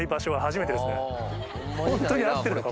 ホントに合ってるのか？